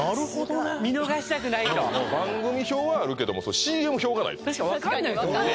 見逃したくないと番組表はあるけどもＣＭ表がない確かに分かんないですもんね